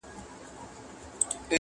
ستا د هستې شهباز به ونڅوم!!